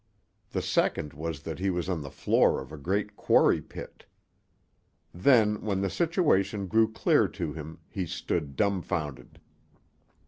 The second that he was on the floor of a great quarry pit. Then, when the situation grew clear to him, he stood dumfounded.